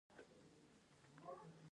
مکالمې فلسفي محتوا لري.